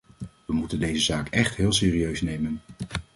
We moeten deze zaak echt heel serieus nemen.